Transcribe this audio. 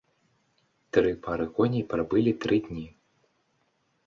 Тры пары коней прабылі тры дні.